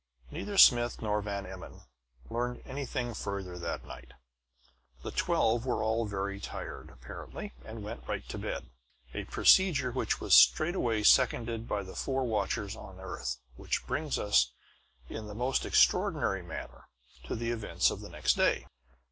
Neither Smith nor Van Emmon learned anything further that night. The twelve were all very tired, apparently, and went right to bed; a procedure which was straightway seconded by the four watchers on the earth. Which brings us in the most ordinary manner to the events of the next day.